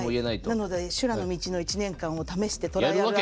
なので修羅の道の１年間を試してトライアンド。